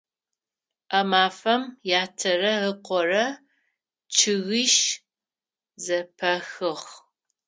А мафэм ятэрэ ыкъорэ чъыгищ зэпахыгъ.